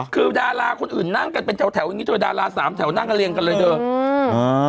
คือดาราคนอื่นนั่งไปเป็นแถวแถวแถวนี้ดารา๓แถวนั่งก็เลี่ยงกันเลยเดิม